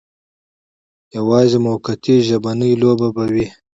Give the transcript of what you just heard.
یوازې موقتي ژبنۍ لوبه به وي.